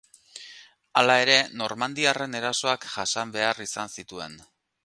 Hala ere, normandiarren erasoak jasan behar izan zituen.